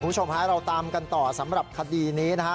คุณผู้ชมฮะเราตามกันต่อสำหรับคดีนี้นะฮะ